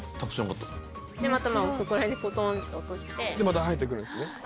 また生えてくるんですね？